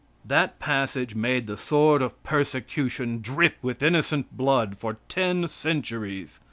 That passage made the sword of persecution drip with innocent blood for ten centuries.